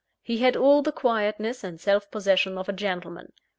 He had all the quietness and self possession of a gentleman.